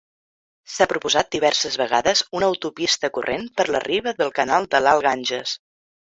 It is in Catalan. S'ha proposat diverses vegades una autopista corrent per la riba del canal de l'alt Ganges.